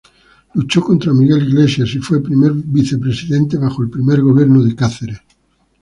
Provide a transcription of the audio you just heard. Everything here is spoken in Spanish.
Luchó contra Miguel Iglesias y fue primer vicepresidente bajo el primer gobierno de Cáceres.